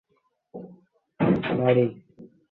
তিনি মৃত্যুবরণ করেছিলেন, সেই জায়গাটিতেও তার একটি মূর্তি আছে।